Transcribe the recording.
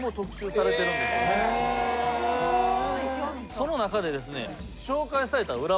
その中でですね。